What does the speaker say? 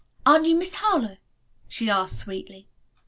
"Aren't you Miss Harlowe?" she asked sweetly.